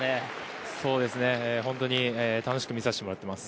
本当に楽しく見させてもらっています。